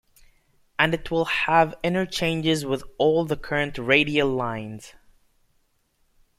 And it will have interchanges with all the current radial lines.